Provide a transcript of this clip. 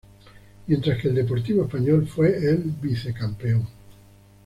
Mientras que el Deportivo Español fue el vicecampeón.